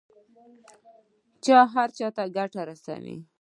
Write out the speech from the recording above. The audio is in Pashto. چې هر چا ته ګټه رسوي.